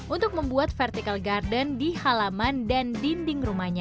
untuk membuat vertical garden di halaman dan dinding rumahnya